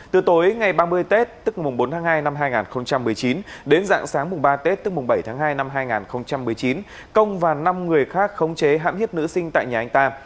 từ tối ngày ba mươi tết tức mùng bốn tháng hai năm hai nghìn một mươi chín đến dạng sáng mùng ba tết tức mùng bảy tháng hai năm hai nghìn một mươi chín công và năm người khác khống chế hãm hiếp nữ sinh tại nhà anh ta